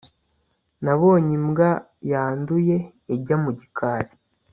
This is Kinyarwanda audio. nabonye imbwa yanduye ijya mu gikari